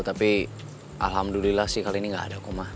tapi alhamdulillah sih kali ini gak ada koma